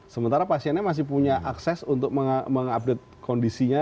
sementara pasiennya masih punya akses untuk mengupdate kondisinya